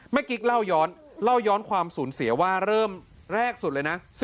แม่กิ๊กเล่าย้อนความสูญเสียว่าเริ่มแรกสุดเลยนะ